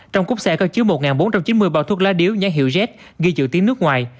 trong cúp xe có chứa một bốn trăm chín mươi bao thuốc lá điếu nhãn hiệu z ghi chữ tiếng nước ngoài